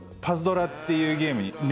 『パズドラ』っていうゲームに。